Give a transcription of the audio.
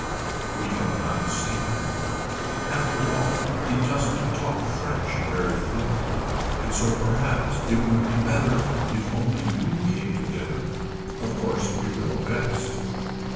We have not seen him. After all he doesn't talk french very fluently and so perhaps it would be better if only you came to dinner. Of course you know best.